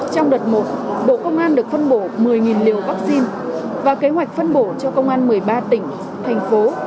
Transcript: trong đợt một bộ công an được phân bổ một mươi liều vaccine và kế hoạch phân bổ cho công an một mươi ba tỉnh thành phố